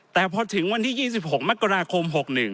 แต่พอถึงวันที่๒๖มกราคม๖๑